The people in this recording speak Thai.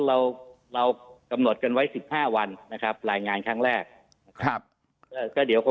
เราเรากำหนดกันไว้๑๕วันนะครับรายงานครั้งแรกนะครับ